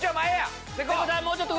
もうちょっと！